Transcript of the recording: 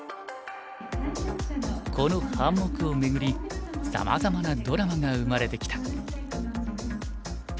この半目を巡りさまざまなドラマが生まれてきた。